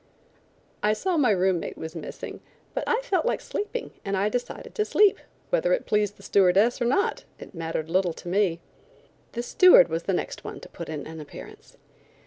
I saw my room mate was missing, but I felt like sleeping and I decided to sleep; whether it pleased the stewardess or not, it mattered little to me. The steward was the next one to put in an appearance.